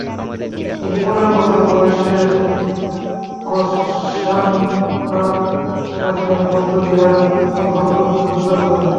তিনি পনেরো বছর বয়সে গ্দান-সা-থেল বৌদ্ধবিহারে প্রধানরূপে যোগদান করেন।